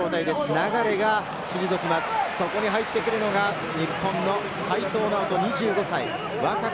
流が退きます、そこに入ってくるのが日本の齋藤直人、２５歳。